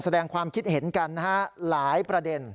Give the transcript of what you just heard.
แสดงความคิดเห็นกันนะฮะหลายประเด็น